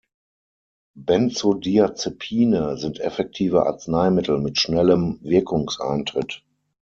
Benzodiazepine sind effektive Arzneimittel mit schnellem Wirkungseintritt.